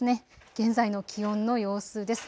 現在の気温の様子です。